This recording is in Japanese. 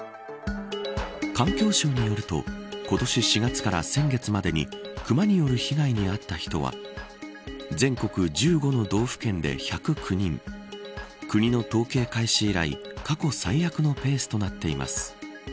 環境省によると今年４月から先月までにクマによる被害に遭った人は全国１５の道府県で１０９人国の統計開始以来過去最悪のペースとなっています。